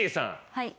はい。